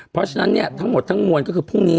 เพราะฉะนั้นเนี่ยทั้งหมดทั้งมวลก็คือพรุ่งนี้